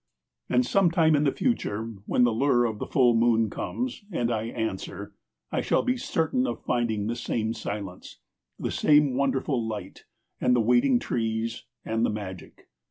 And sometime in the future, when the lure of the full moon comes, and I answer, I shall be certain of finding the same silence, the same wonderful light, and the waiting trees and the magic.